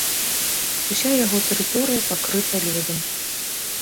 Уся яго тэрыторыя пакрыта лёдам.